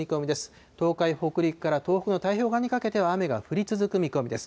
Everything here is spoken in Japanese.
東海、北陸から東北の太平洋側にかけては、雨が降り続く見込みです。